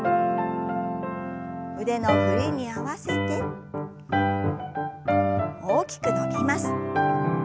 腕の振りに合わせて大きく伸びます。